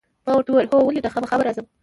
ما ورته وویل: هو، ولې نه، خامخا به راځم.